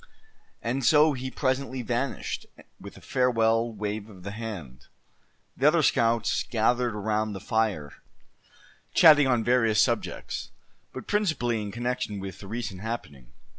And so he presently vanished, with a farewell wave of the hand. The other scouts gathered around the fire, chatting on various subjects, but principally in connection with the recent happening.